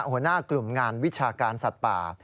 หัวหน้ากลุ่มงานวิชาการสัตว์ป่า